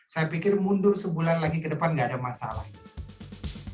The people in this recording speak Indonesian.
saya pikir mundur sebulan lagi ke depan nggak ada masalah ini